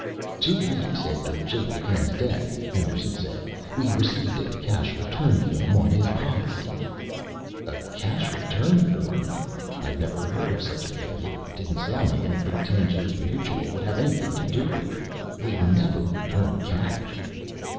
"Two weeks after Jafe McCann's death," Henderson said, "we received a cash return form on his policy." "A cash return form?" I'd never heard of such a thing. It didn't sound like anything Tangiers Mutual would have anything to do with. We never return cash.